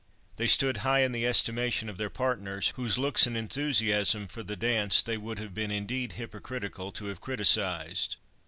They stood high in the estimation of their partners, whose looks and enthusiasm for the dance they would have been indeed hypercritical to have criticised.